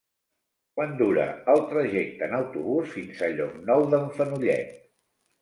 Quant dura el trajecte en autobús fins a Llocnou d'en Fenollet?